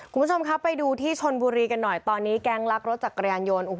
ผู้ชมเค้าไปดูที่ชนบุรีกันหน่อยตอนนี้แกงลักรถจากกระยานโยน